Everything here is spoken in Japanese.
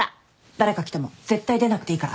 誰か来ても絶対出なくていいから。